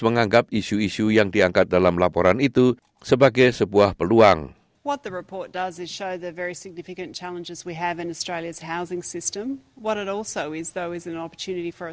menganggap isu isu yang diangkat dalam laporan itu